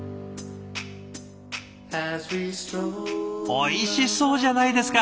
おいしそうじゃないですか！